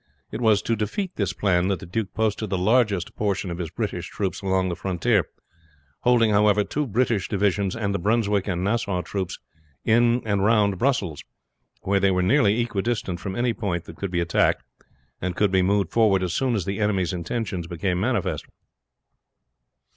It was to defeat this plan that the duke posted the largest proportion of his British troops along the frontier, holding, however, two British divisions and the Brunswick and Nassau troops in and round Brussels, where they were nearly equidistant from any point that could be attacked, and could be moved forward as soon as the enemy's intentions became manifest.